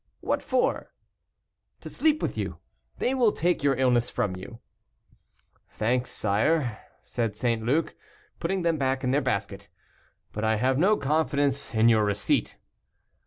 "What for?" "To sleep with you; they will take your illness from you." "Thanks, sire," said St. Luc, putting them back in their basket, "but I have no confidence in your receipt."